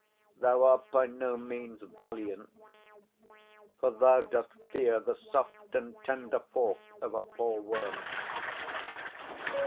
Thou'rt by no means valiant; 15 For thou dost fear the soft and tender fork Of a poor worm.